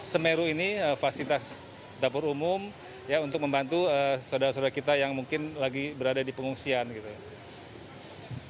semeru ini fasilitas dapur umum ya untuk membantu saudara saudara kita yang mungkin lagi berada di pengungsian gitu ya